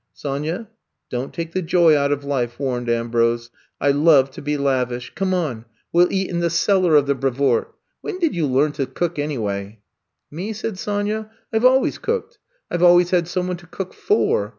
''Sonya, don't take the joy out of life," warned Ambrose. *^I love to be lavish. Come on, we '11 eat in the cellar of the I'VE COME TO STAY 85 Brevoort. When did you learn to cook anyway I '* Me,*' said Sonya. I Ve always cooked. I Ve always had some one to cook for.